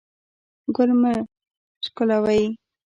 ګل مه شکولوئ